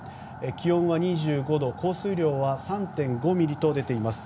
気温は２５度降水量は３．５ミリと出ています。